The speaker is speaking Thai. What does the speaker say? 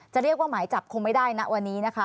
จะเรียกว่าหมายจับคงไม่ได้นะวันนี้นะคะ